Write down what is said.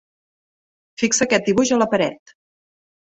Fixa aquest dibuix a la paret.